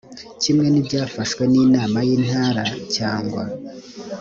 kimwe n ibyafashwe n inama y intara cyangwa